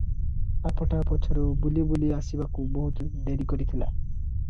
ସାପଟା ପଛରୁ ବୁଲି ବୁଲି ଆସିବାକୁ ବହୁତ ଡେରି କରିଥିଲା ।